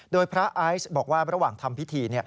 โดยพระไอซ์บอกว่าระหว่างทำพิธี